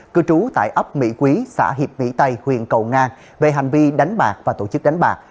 cư trú tại ấp mỹ quý xã hiệp mỹ tây huyện cầu ngang về hành vi đánh bạc và tổ chức đánh bạc